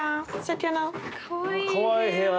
かわいい部屋。